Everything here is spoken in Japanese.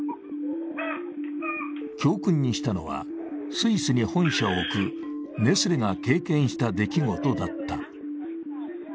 教訓にしたのは、スイスに本社を置くネスレが経験した出来事だった。